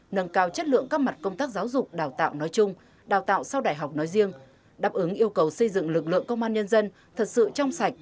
nâng cao chất lượng các mặt công tác giáo dục đào tạo nói chung đào tạo sau đại học nói riêng đáp ứng yêu cầu xây dựng lực lượng công an nhân dân thật sự trong sạch